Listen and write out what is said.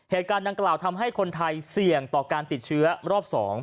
เหตุการณ์ดังกล่าวทำให้คนไทยเสี่ยงต่อการติดเชื้อรอบ๒